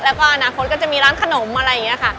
แล้วก็อนาคตก็จะมีร้านขนมอะไรอย่างนี้ค่ะ